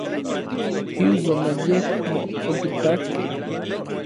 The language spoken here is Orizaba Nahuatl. Iuan ayekmo okitakej.